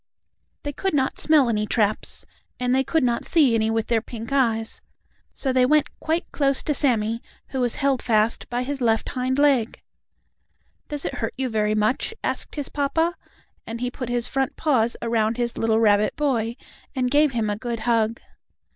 They could not smell any traps, and they could not see any with their pink eyes, so they went quite close to Sammie, who was held fast by his left hind leg. "Does it hurt you very much?" asked his papa, and he put his front paws around his little rabbit boy, and gave him a good hug.